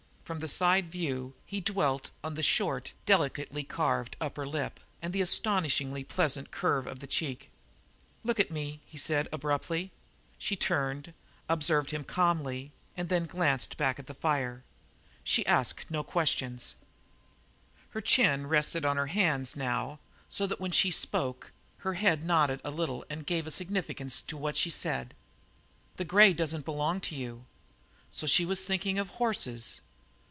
From the side view he dwelt on the short, delicately carved upper lip and the astonishingly pleasant curve of the cheek. "Look at me," he said abruptly. She turned, observed him calmly, and then glanced back to the fire. She asked no question. Her chin rested on her hands, now, so that when she spoke her head nodded a little and gave a significance to what she said. "The grey doesn't belong to you?" So she was thinking of horses!